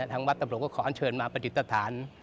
ทั้งวัดตะบลกก็ขออันเชิญมาปฏิตฐาน